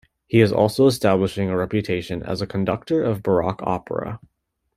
He is also establishing a reputation as a conductor of Baroque opera.